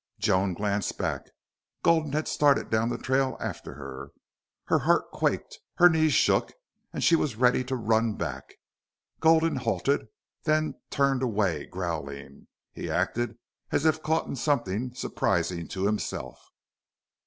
Joan glanced back. Gulden had started down the trail after her. Her heart quaked, her knees shook, and she was ready to run back. Gulden halted, then turned away, growling. He acted as if caught in something surprising to himself.